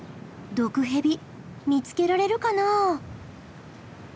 毒ヘビ見つけられるかなあ。